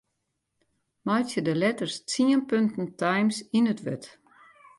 Meitsje de letters tsien punten Times yn it wurd.